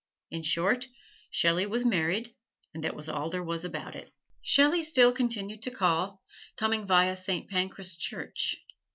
In short, Shelley was married and that was all there was about it. Shelley still continued to call, coming via Saint Pancras Church.